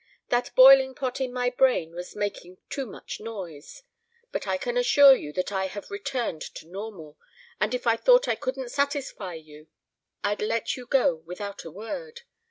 That boiling pot in my brain was making too much noise. But I can assure you that I have returned to normal, and if I thought I couldn't satisfy you I'd let you go without a word.